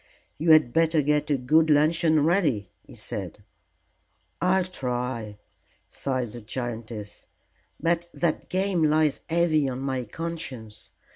"You had better get a good luncheon ready," he said. "I'll try," sighed the giantess; "but that game lies heavy on my conscience.